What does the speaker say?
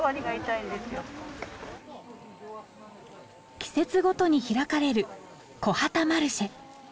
季節ごとに開かれるこはたマルシェ。